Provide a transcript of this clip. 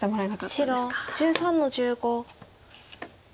白１３の十五。